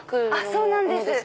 そうなんです。